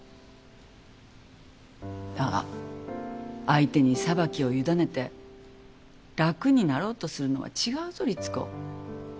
だが相手に裁きを委ねて楽になろうとするのは違うぞ律子。